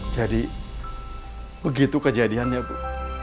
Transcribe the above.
jadi begitu kejadian ya bu